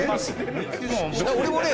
俺もね